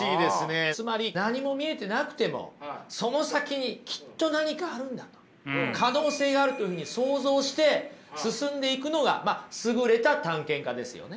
つまり何も見えてなくてもその先にきっと何かあるんだと可能性があるというふうに想像して進んでいくのが優れた探検家ですよね？